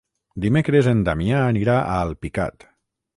Dimecres en Damià anirà a Alpicat.